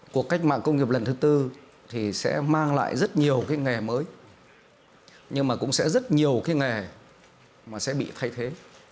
cuộc cách mạng công nghiệp lần thứ tư thì sẽ mang lại rất nhiều cái nghề mới nhưng mà cũng sẽ rất nhiều cái nghề mà sẽ bị thay thế